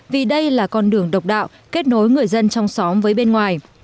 vì đây là con đường độc đạo kết nối người dân trong xóm với bên ngoài